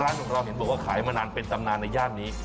ร้านของเราเห็นบอกว่าขายมานานเป็นตำนานในย่านนี้